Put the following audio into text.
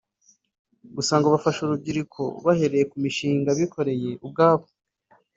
Gusa ngo bafasha urubyiruko bahereye ku mishinga bikoreye ubwabo